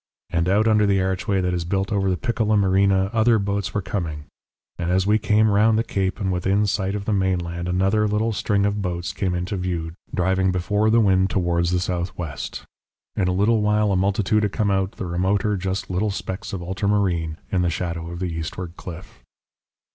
And out under the archway that is built over the Piccola Marina other boats were coming; and as we came round the cape and within sight of the mainland, another little string of boats came into view, driving before the wind towards the southwest. In a little while a multitude had come out, the remoter just little specks of ultramarine in the shadow of the eastward cliff.